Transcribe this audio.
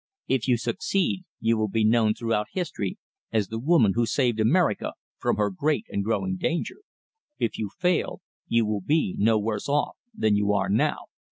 If you succeed, you will be known throughout history as the woman who saved America from her great and growing danger. If you fail, you will be no worse off than you are now."